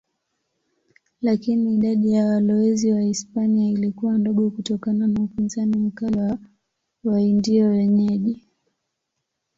Lakini idadi ya walowezi Wahispania ilikuwa ndogo kutokana na upinzani mkali wa Waindio wenyeji.